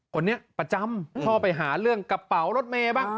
คนนี้ประจำชอบไปหาเรื่องกระเป๋ารถเมย์บ้าง